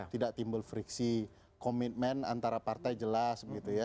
tidak timbul friksi komitmen antara partai jelas